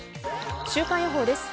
週間予報です。